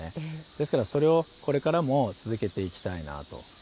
ですから、それをこれからも続けていきたいなと。